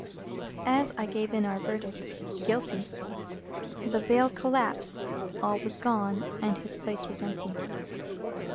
As I gave in our verdict, "Guilty," the veil collapsed, all was gone, and his place was empty.